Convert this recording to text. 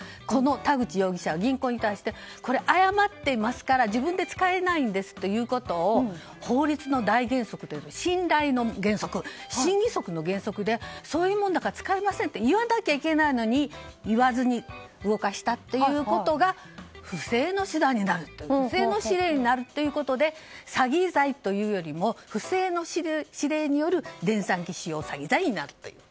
田口容疑者は銀行に対して誤っていますから自分で使えないんですと法律の大原則、信頼の原則信義則の原則でそういうものだから使えませんと言わなきゃいけないのに言わずに動かしたということが不正の手段になる不正の指令になるということで詐欺罪というよりも不正の指令による電算機使用詐欺になるという。